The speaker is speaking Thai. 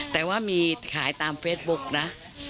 แต่ว่ามีขายตามเฟซบุ๊กนะ